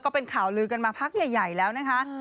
ก็เป็นข่าวลือกันมาพักใหญ่แล้วนะคะ